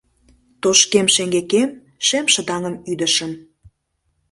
Тошкем шеҥгекем шемшыдаҥым ӱдышым